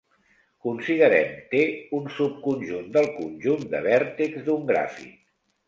Considerem "T" un subconjunt del conjunt de vèrtex d'un gràfic.